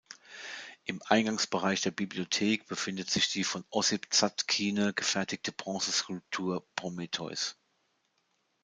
Im Eingangsbereich der Bibliothek befindet sich die von Ossip Zadkine gefertigte Bronzeskulptur "Prometheus".